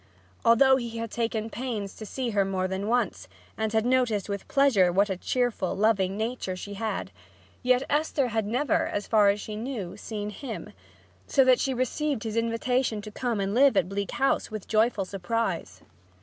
Although he had taken the pains to see her more than once, and had noticed with pleasure what a cheerful, loving nature she had, yet Esther had never, so far as she knew, seen him, so that she received his invitation to come and live at Bleak House with joyful surprise.